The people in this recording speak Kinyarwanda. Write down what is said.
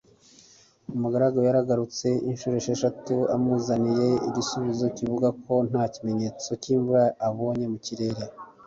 Umugaragu yagarutse incuro esheshatu amuzaniye igisubizo kivuga ko nta kimenyetso cyimvura abonye mu kirere